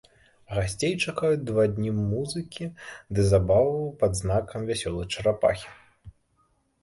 Гасцей чакаюць два дні музыкі ды забаваў пад знакам вясёлай чарапахі.